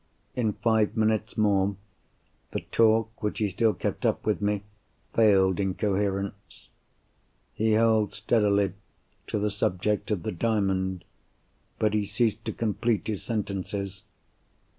In five minutes more, the talk which he still kept up with me, failed in coherence. He held steadily to the subject of the Diamond; but he ceased to complete his sentences.